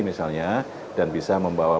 misalnya dan bisa membawa